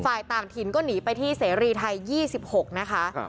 ฝ่ายต่างถิ่นก็หนีไปที่เสรีไทย๒๖นะคะ